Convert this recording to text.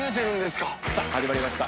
さぁ始まりました